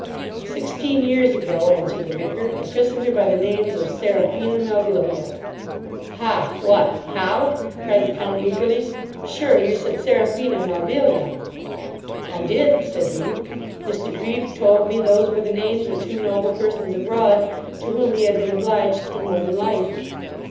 'Sixteen years ago (answered the vicar) I christened her by the names of Seraphina Melvilia.' 'Ha! what! how! (cried the count eagerly) sure, you said Seraphina Melvilia.' 'I did (said he); Mr Grieve told me those were the names of two noble persons abroad, to whom he had been obliged for more than life.